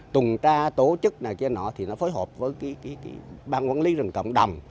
tùng tra tổ chức này kia nọ thì nó phối hợp với cái băng quản lý rừng cộng đồng